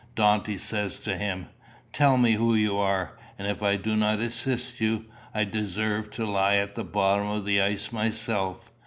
Dante says to him, 'Tell me who you are, and if I do not assist you, I deserve to lie at the bottom of the ice myself.